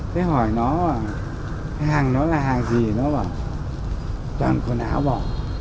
thế hỏi nó hàng nó là hàng gì nó bảo toàn quần áo bỏ